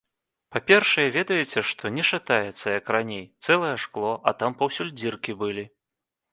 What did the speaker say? Па-першае, ведаеце што, не шатаецца, як раней, цэлае шкло, а там паўсюль дзіркі былі.